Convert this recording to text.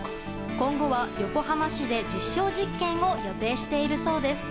今後は横浜市で実証実験を予定しているそうです。